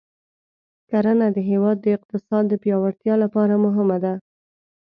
کرنه د هېواد د اقتصاد د پیاوړتیا لپاره مهمه ده.